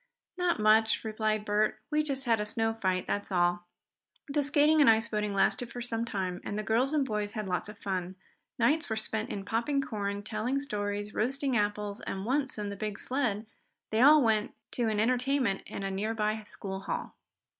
"Not much," replied Bert. "We just had a snow fight; that's all." The skating and ice boating lasted for some time, and the girls and boys had lots of fun. Nights were spent in popping corn, telling stories, roasting apples, and once, in the big sled, they all went to an entertainment in a nearby school hall.